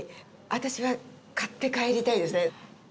私は買って帰りたいですね。